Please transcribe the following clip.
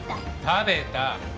食べた！